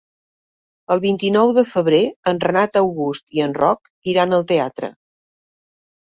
El vint-i-nou de febrer en Renat August i en Roc iran al teatre.